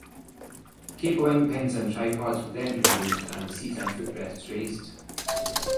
Cabling, pins, and tripods would then be removed and the seats and footrests raised.